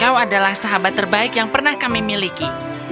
kau adalah sahabat terbaik yang pernah kami miliki